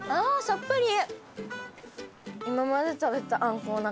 さっぱり！